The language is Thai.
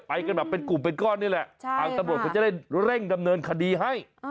ไปกันแบบเป็นกลุ่มเป็นก้อนนี่แหละทางตำรวจเขาจะได้เร่งดำเนินคดีให้